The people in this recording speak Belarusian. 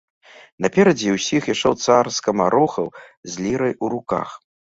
Наперадзе ўсіх ішоў цар скамарохаў з лірай у руках.